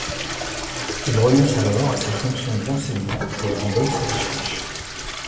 Il renonce alors à ses fonctions d'enseignant et abandonne ses recherches.